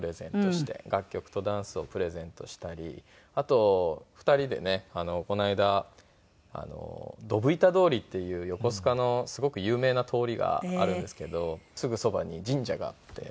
楽曲とダンスをプレゼントしたりあと２人でねこの間どぶ板通りっていう横須賀のすごく有名な通りがあるんですけどすぐそばに神社があって。